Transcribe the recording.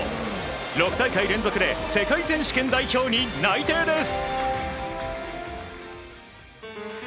６大会連続で世界選手権代表に内定です。